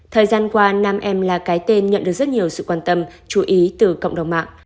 thời gian qua nam em là cái tên nhận được rất nhiều sự quan tâm chú ý từ cộng đồng mạng